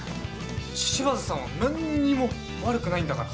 柴田さんは何にも悪くないんだから。